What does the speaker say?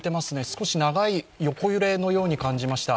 少し長い横揺れのように感じました。